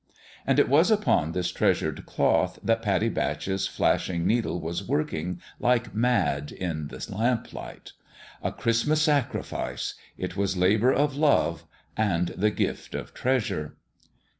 And it was upon this treasured cloth that Pattie Batch's flashing 86 The WISTFUL HEART needle was working like mad in the lamplight. A Christmas sacrifice : it was labour of love and the gift of treasure.